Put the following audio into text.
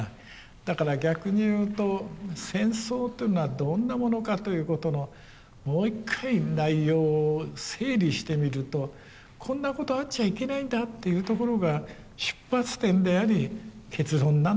だから逆に言うと戦争というのはどんなものかということのもう一回内容を整理してみるとこんなことあっちゃいけないんだっていうところが出発点であり結論なんだっていうことになるんじゃないかと思いますね。